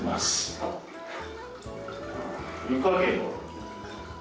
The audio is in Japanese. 湯加減は？